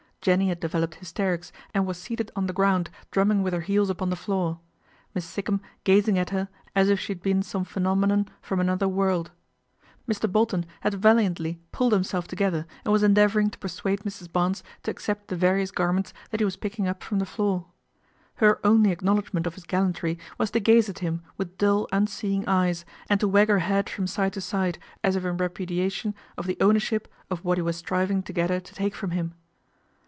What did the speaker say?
Jenny had developed hysterics, and was seated on the ground drumming with her heels upon the floor, Miss Sikkum gazing at her as if she had been some phenomenon from another world. Mr. Bolton had valiantly pulled himself together and was endeavouring to persuade Mrs. Barnes to accept the various garments that he was picking up from the floor. Her only acknow ledgment of his gallantry was to gaze at him with dull, unseeing eyes, and to wag her head from side to side as if in repudiation of the ownership of what he was striving to get her to take from him.